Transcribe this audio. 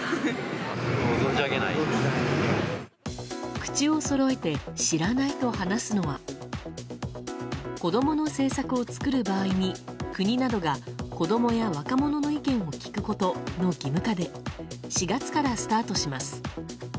口をそろえて知らないと話すのは子供の政策を作る場合に国などが子供や若者に意見を聞くことの義務化で４月からスタートします。